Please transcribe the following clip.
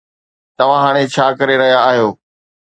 توهان هاڻي ڇا ڪري رهيا آهيو؟